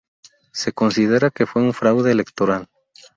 Se considera que fue un fraude electoral.